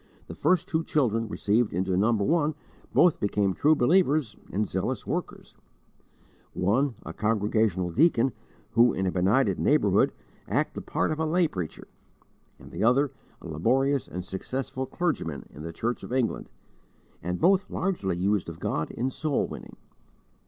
The first two children received into No. 1 both became true believers and zealous workers: one, a Congregational deacon, who, in a benighted neighbourhood, acted the part of a lay preacher; and the other, a laborious and successful clergyman in the Church of England, and both largely used of God in soul winning.